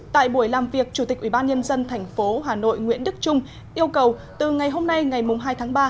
tại buổi làm việc chủ tịch ủy ban nhân dân thành phố hà nội nguyễn đức trung yêu cầu từ ngày hôm nay ngày hai tháng ba